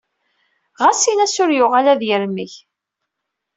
Ɣas in-as ur yuɣal ad yermeg.